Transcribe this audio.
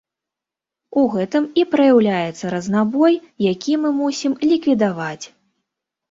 У гэтым і праяўляецца разнабой, які мы мусім ліквідаваць.